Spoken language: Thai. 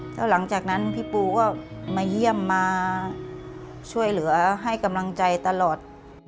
แล้วหลังจากนั้นพี่ปูก็มาเยี่ยมมาช่วยเหลือให้กำลังใจตลอด